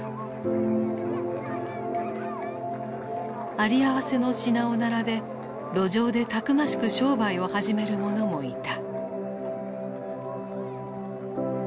有り合わせの品を並べ路上でたくましく商売を始める者もいた。